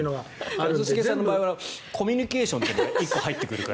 一茂さんの場合はコミュニケーションというのが１個入ってくるから。